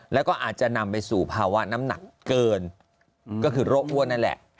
แล้วก็อาจจะนำไปสู่ภาวะน้ำหนักเกินก็คือโรคอ้วนนั่นแหละ